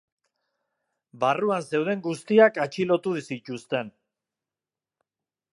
Barruan zeuden guztiak atxilotu zituzten.